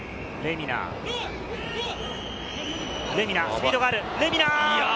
スピードがある！